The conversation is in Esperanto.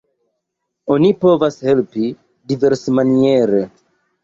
Oni povas helpi diversmaniere.